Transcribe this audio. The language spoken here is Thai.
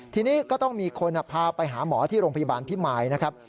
ทีนี้ก็ต้องมีคนพาไปหาหมอที่โรงพยาบาลพิมายนะครับ